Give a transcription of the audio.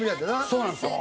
そうなんですよ。